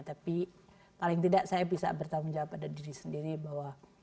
tapi paling tidak saya bisa bertanggung jawab pada diri sendiri bahwa